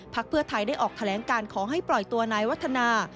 เพื่อไทยได้ออกแถลงการขอให้ปล่อยตัวนายวัฒนา